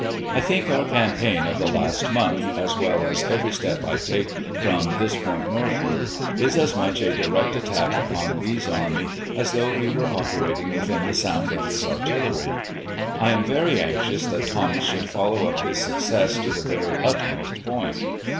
I think our campaign of the last month, as well as every step I take from this point northward, is as much a direct attack upon Lee's army as though we were operating within the sound of his artillery. I am very anxious that Thomas should follow up his success to the very utmost point.